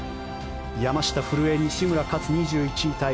山下、古江、西村、勝２１位タイ。